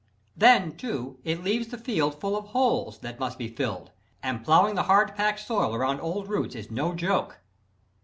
Then too, it leaves the field full of holes, that must be filled; and plowing the hard packed soil around old roots is no joke.